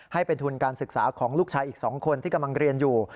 ให้เป็นทุนการศึกษาของลูกชายอีก๒คนที่กำลังเรียนอยู่